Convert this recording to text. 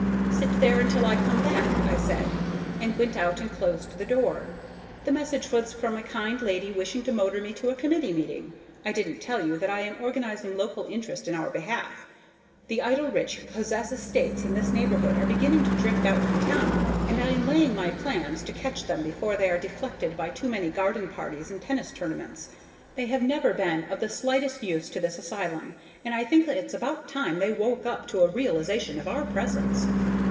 "Sit there until I come back," I said, and went out and closed the door. The message was from a kind lady wishing to motor me to a committee meeting. I didn't tell you that I am organizing local interest in our behalf. The idle rich who possess estates in this neighborhood are beginning to drift out from town, and I am laying my plans to catch them before they are deflected by too many garden parties and tennis tournaments. They have never been of the slightest use to this asylum, and I think it's about time they woke up to a realization of our presence.